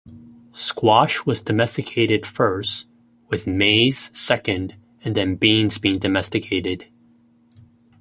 Squash was domesticated first, with maize second and then beans being domesticated.